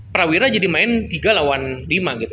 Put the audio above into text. prawira jadi main tiga lawan lima gitu